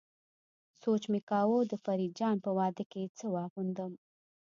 سوچ مې کاوه د فريد جان په واده کې څه واغوندم.